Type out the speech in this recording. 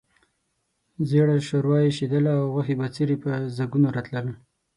ژېړه ښوروا اېشېدله او غوښې بڅري په ځګونو راتلل.